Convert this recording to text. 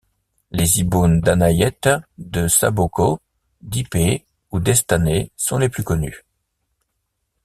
Les ibones d'Anayet, de Sabocos, d'Ip ou d'Estanés sont les plus connus.